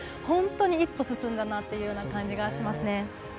本当に一歩進んだなという感じがしますね。